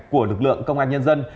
của lực lượng công an nhân dân